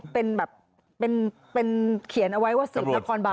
เป็นเขียนเอาไว้ว่าสืบนครบาน